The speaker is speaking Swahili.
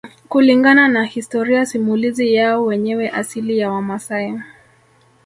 Kulingana na historia simulizi yao wenyewe asili ya Wamasai